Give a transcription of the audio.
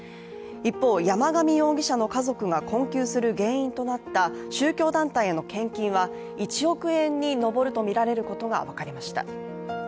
一方、山上容疑者の家族が困窮する原因となった宗教団体への献金は１億円に上るとみられることが分かりました。